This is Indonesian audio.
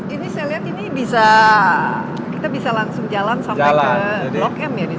ini saya lihat ini bisa kita bisa langsung jalan sampai ke blok m ya